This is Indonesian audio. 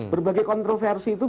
berbagai kontroversi itu